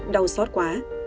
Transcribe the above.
đau xót quá